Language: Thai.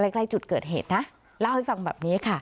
ใกล้จุดเกิดเหตุนะเล่าให้ฟังแบบนี้ค่ะ